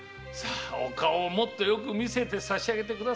お顔をもっとよく見せてさしあげてくださいませ。